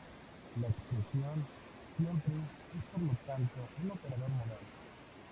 La expresión "siempre" es por lo tanto un operador modal.